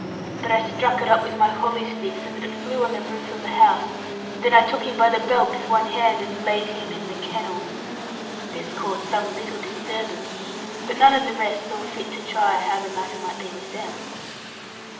But I struck it up with my holly stick, so that it flew on the roof of a house, then I took him by the belt with one hand, and laid him in the kennel. This caused some little disturbance; but none of the rest saw fit to try how the matter might be with them.